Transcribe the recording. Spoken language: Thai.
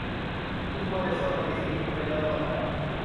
คุณควรจะสนใจในสิ่งที่คุณได้เริ่มต้นเอาไว้